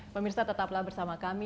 pemirsa tetaplah bersama kami